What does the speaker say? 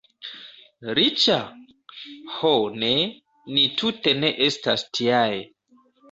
Riĉa? Ho ne, ni tute ne estas tiaj.